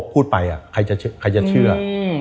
พูดไปใครจะเชื่อ